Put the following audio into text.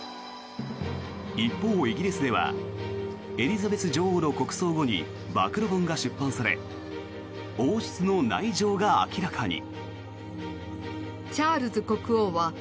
一方、イギリスではエリザベス女王の国葬後に暴露本が出版され王室の内情が明らかに。